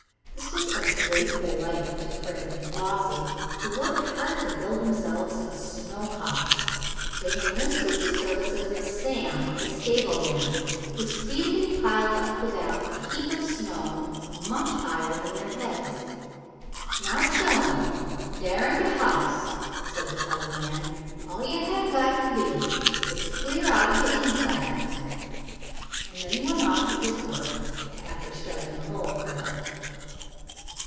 This was a great delight to Freddie and Flossie, who worked hard to build themselves a snow house. They enlisted the services of Sam, the stableman, who speedily piled up for them a heap of snow much higher than their heads. "Now, chillun, dar am de house," said the colored man. "All yo' hab got to do is to clear out de insides." And then he went off to his work, after starting the hole for them.